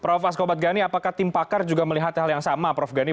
prof askobat gani apakah tim pakar juga melihat hal yang sama prof gani